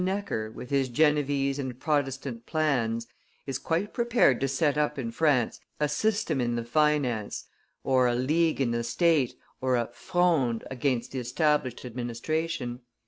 Necker, with his Genevese and Protestant plans, is quite prepared to set up in France a system in the finance, or a league in the state, or a 'Fronde' against the established administration.